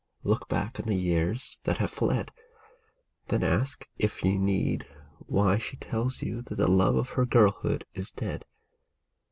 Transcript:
Look back on the years that have fled ; Then ask, if you need, why she tells you that the love of her girlhood is dead